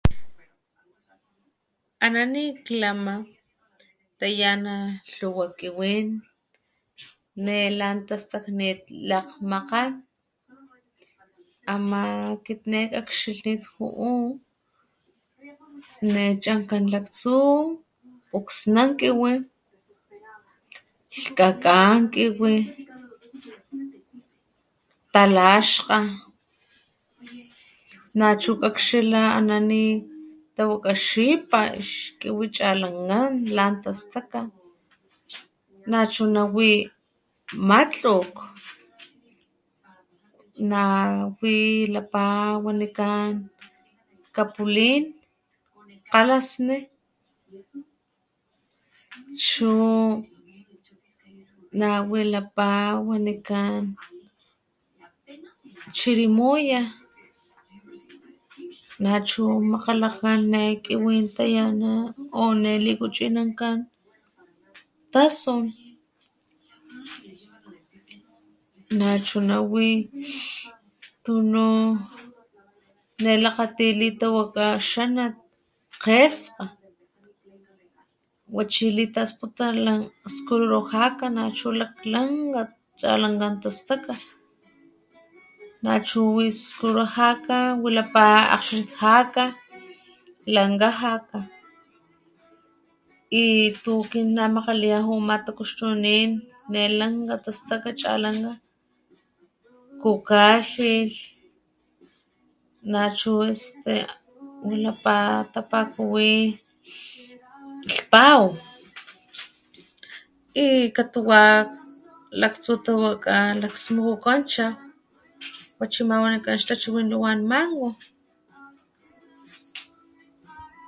Ana´ niklama tayana tluwa kiwin nelan tastaknit lakgmakgan ama´ akit ne kakxilhnit ju´u nechankan laktsu puksnankiwi, lhkakankiwi, talaxkga, nachu kakxila ana nitawakga xipa, ixkiwi chalankan lan tastaka, nachuna wi matlukg , nawilapa wanikan kapulin kgalasni chu nawilapa wanikan chirimuya nachu makgalakan ne kiwin tayana o ne likuchinankan tasun nachuna wi tunu ne lakati litawaka xanat kgeskga wachi litasputla skururujaka chalankan tastaka nachu wi skururujaka wilapa akgxixitjaka, lankgajaka , y tu akin namakalaya matakuxtunanin ne lanka tastaka chalanka kukalhilh nachu este wilapa tapakuwi lhpaw y katuwa laktsu tawaka smukukanchaw wachi ama´ tapakuwi ix tachiwin luwan mango.